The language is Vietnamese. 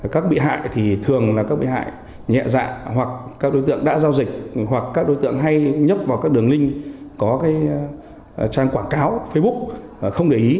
các bị hại thì thường là các bị hại nhẹ dạ hoặc các đối tượng đã giao dịch hoặc các đối tượng hay nhấp vào các đường link có trang quảng cáo facebook không để ý